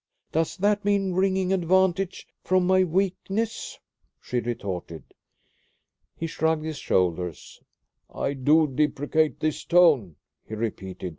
Does that mean wringing advantage from my weakness?" she retorted. He shrugged his shoulders. "I do deprecate this tone," he repeated.